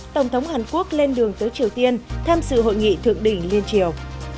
tổng thống hàn quốc lên đường tới triều tiên tham dự hội nghị thượng đỉnh liên triều